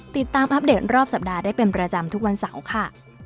อัปเดตรอบสัปดาห์ได้เป็นประจำทุกวันเสาร์ค่ะ